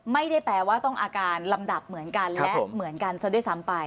ไม่ได้แปลว่าต้องอาการลำดับเหมือนกันและเหมือนกันซะด้วยซ้ำไป